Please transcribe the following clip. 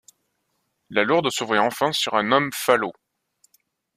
La lourde s’ouvrit enfin sur un homme falot.